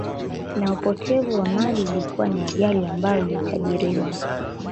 Na upotevu wa mali Ilikuwa ni ajali ambayo ilitabiriwa